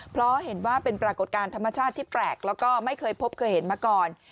เพราะเห็นว่าเป็นปรากฏการณ์ธรรมชาติที่แปลกแล้วก็ไม่เคยพบเคยเห็นมาก่อน